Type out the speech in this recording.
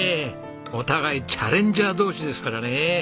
お互いチャレンジャー同士ですからね。